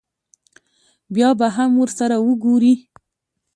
بیا به هم ورسره وګوري.